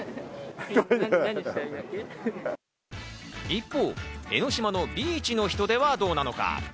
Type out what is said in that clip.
一方、江の島のビーチの人出はどうなのか？